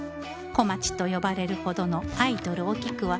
小町と呼ばれるほどのアイドルお菊は